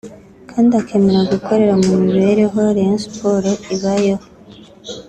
kandi akemera gukorera mu mibereho Rayon Sports ibayeho